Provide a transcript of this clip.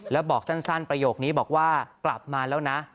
แล้วบอกสั้นประโยคนี้บอกว่ากลับมาแล้วนะ